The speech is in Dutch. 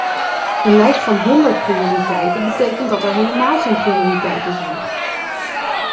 Een lijst van honderd prioriteiten betekent dat er helemaal geen prioriteiten zijn!